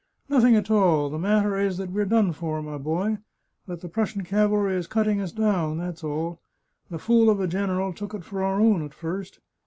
Nothing at all. The matter is that we're done for, my boy ; that the Prussian cavalry is cutting us down — that's all. The fool of a general took it for our own at first.